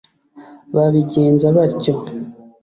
babigenza batyo